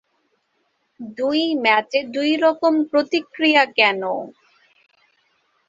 দুই ম্যাচে দুই রকম প্রতিক্রিয়া কেন?